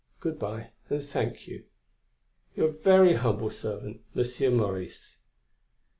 Good bye and thank you.... Your very humble servant, Monsieur Maurice."